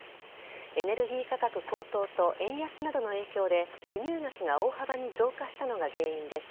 エネルギー価格高騰と円安などの影響で輸入額が大幅に増加したのが原因です。